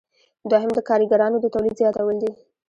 دوهم د کاریګرانو د تولید زیاتول دي.